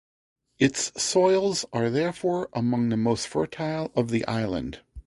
Its soils are therefore among the most fertile of the island.